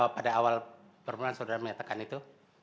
pada awal permohonan saudara menyatakan itu